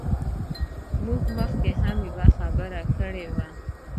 موږ مخکې هم یوه خبره کړې وه.